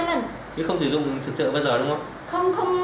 chị không sử dụng bây giờ đúng không